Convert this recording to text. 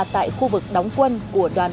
tại khu vực đóng quân của đoàn